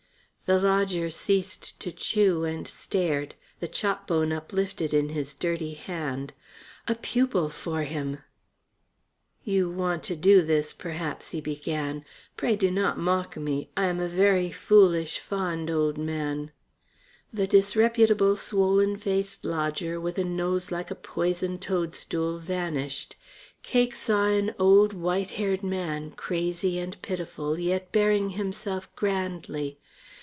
The lodger ceased to chew and stared, the chop bone uplifted in his dirty hand. A pupil for him! "You want to do this perhaps," he began. "Pray do not mock me; I am a very foolish, fond old man " The disreputable, swollen faced lodger with a nose like a poisoned toadstool vanished. Cake saw an old white haired man, crazy and pitiful, yet bearing himself grandly.